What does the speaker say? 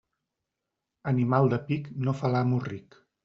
Animal de pic no fa l'amo ric.